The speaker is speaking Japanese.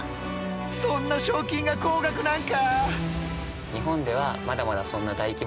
そんな賞金が高額なんか！？